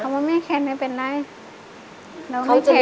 เขาไม่มีแขนไม่เป็นไรเราไม่มีแขนนะ